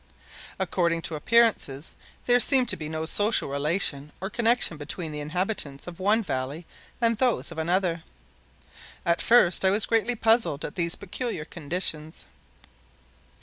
According to appearances there seemed to be no social relation or connection between the inhabitants of one valley and those of another. At first I was greatly puzzled at these peculiar conditions.